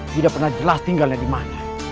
tidak pernah jelas tinggalnya dimana